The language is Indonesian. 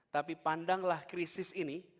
tapi pandanglah krisis ini